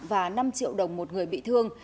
và năm triệu đồng một người bị thương